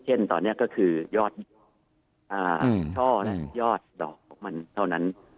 เช่นตอนนี้ก็คือยอดช่อและยอดดอกของมันเท่านั้น